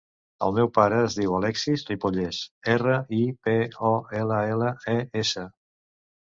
El meu pare es diu Alexis Ripolles: erra, i, pe, o, ela, ela, e, essa.